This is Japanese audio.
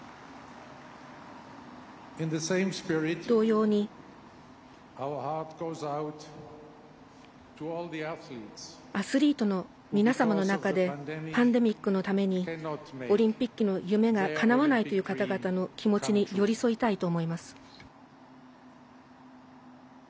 同様に、アスリートの皆様の中でパンデミックのためにオリンピックの夢がかなわないという方々の気持ちに寄り添いたいと思います。